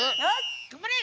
がんばれ！